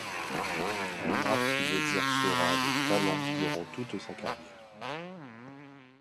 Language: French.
Un art qu'il exercera avec talent durant toute sa carrière.